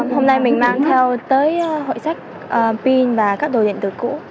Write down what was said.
hôm nay mình mang theo tới hội sách pin và các đồ điện tử cũ